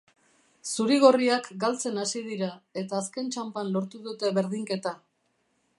Zuri-gorriak galtzen hasi dira, eta azken txanpan lortu dute berdinketa.